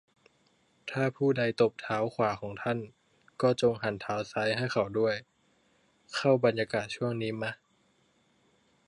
ถ้าผู้ใดตบเท้าขวาของท่าน ก็จงหันเท้าซ้ายให้เขาด้วย เข้าบรรยากาศช่วงนี้มะ ?